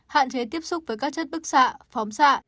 hạn chế tiếp xúc với các chất bức xạ phóng xạ